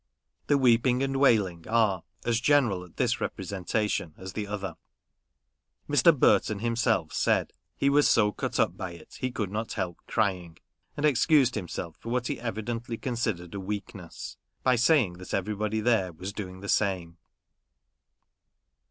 The weeping and wailing are as general at this representation as the other. Mr. Burton himself said, " he was so cut up by it he could not help crying ;" and excused himself for what he evidently considered a weakness, by saying that everybody there was doing the same.